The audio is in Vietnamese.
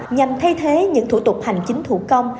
nhằm thay thế những thủ tục hành chính thủ công